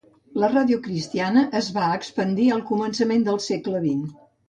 La ràdio cristiana es va expandir al començament del segle XX.